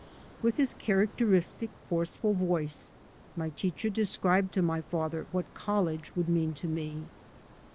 With his characteristic forceful voice my teacher described to my father what college would mean to me.